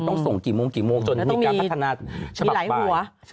ต้องส่งกี่โมงกี่โมงจนมีการพัฒนาฉบับใหม่